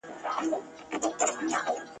بیا به دي په لوبو کي رنګین امېل شلېدلی وي !.